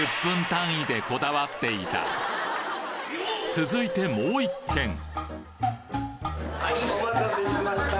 続いてもう１軒はいお待たせしました。